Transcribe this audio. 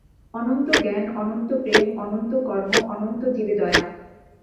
অনন্ত জ্ঞান, অনন্ত প্রেম, অনন্ত কর্ম, অনন্ত জীবে দয়া।